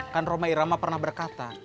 kan roma irama pernah berkata